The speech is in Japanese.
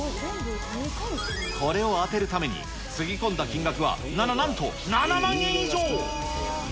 これを当てるためにつぎ込んだ金額は、なななんと７万円以上。